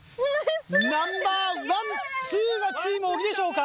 ナンバー１２がチーム小木でしょうか！